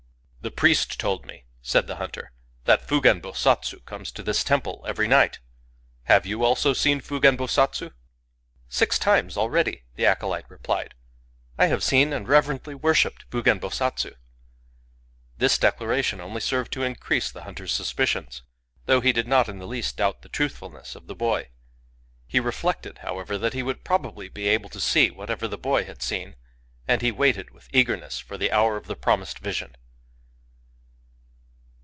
"The priest told me," said the hunter, "that Fugen Bosatsu comes to this temple every night. Have you also seen Fugen Bosatsu?" ^ Samanubhadra Bodhisattva. Digitized by Googk COMMON SENSE 23 " Six times, already/' the acolyte replied, " I have seen and reverently worshipped Fugen Bosatsu/' This declaration only served to increase the hunter's suspicions, though he did not in the least doubt the truthfulness of the boy. He reflected, however, that he would probably be able to see whatever the boy had seen ; and he waited with eagerness for the hour of the promised vision.